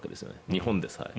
日本でさえ。